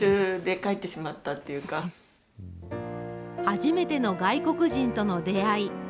初めての外国人との出会い。